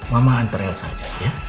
mama antar el saja ya